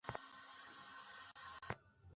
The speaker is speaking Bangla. কী প্রমাণ আছে তা কি কখনো জিজ্ঞেস করা হয়েছে?